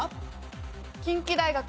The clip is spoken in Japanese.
近畿大学。